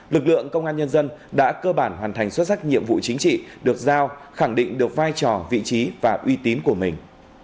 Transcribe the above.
lực lượng công an nhân dân đã cơ bản hoàn thành xuất sắc nhiệm vụ chính trị được giao khẳng định được vai trò vị trí và uy tín của mình